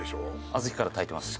小豆から炊いてます